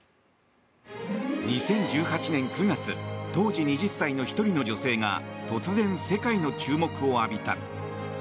２０１８年９月当時２０歳の１人の女性が突然、世界の注目を浴びた。